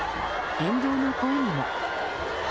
沿道の声にも。